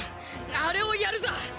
あれをやるぞ。